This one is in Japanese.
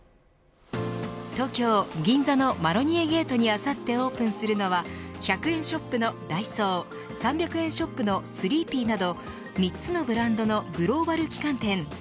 東京、銀座のマロニエゲートにあさってオープンするのは１００円ショップのダイソー３００円ショップのスリーピーなど３つのブランドのグローバル旗艦店。